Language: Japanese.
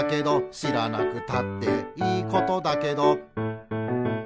「しらなくたっていいことだけど」